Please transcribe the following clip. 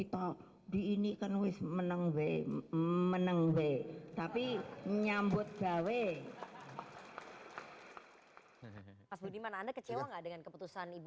mau diinikan wis menengbe menengbe tapi nyambut gawe pas budiman anda kecewa dengan keputusan ibu